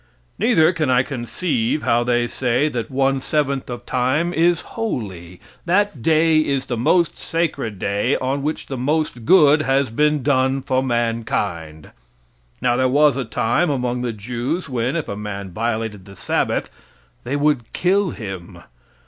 Neither can I conceive how they can say that one seventh of time is holy. That day is the most sacred day on which the most good has been done for mankind. Now, there was a time among the Jews, when, if a man violated the Sabbath, they would kill him.